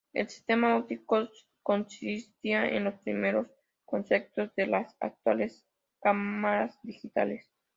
El sistema óptico consistía en los primeros conceptos de las actuales cámaras digitales.